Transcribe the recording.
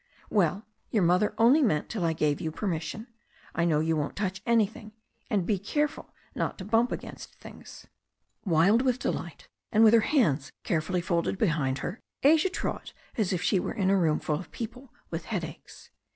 Well, your mother only meant till I gave you permission. I know you won't touch anjrthing. And be careful not to bump against things." Wild with delight, and with her hands carefully folded behind her, Asia trod as if she were in a room full of people with headaches.